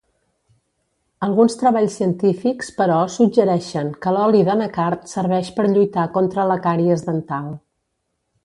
Alguns treballs científics però suggereixen que l'oli d'anacard serveix per lluitar contra la càries dental.